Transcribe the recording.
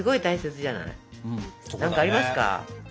何かありますか？